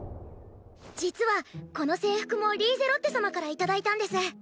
実はこの制服もリーゼロッテ様から頂いたんです。